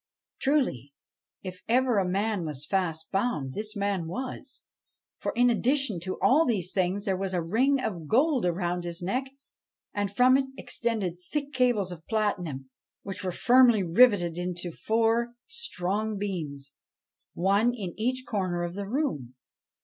Truly, if ever a man was fast bound, this man was ; for, in addition to all these things, there was a ring of gold round his neck, and from it extended thick cables of platinum, which were firmly riveted into four strong beams, one in each corner of the room.